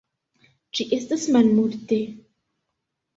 Ĝi estas malmulte.